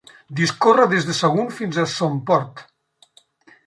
Discorre des de Sagunt fins a Somport.